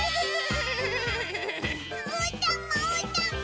うーたんもうーたんも！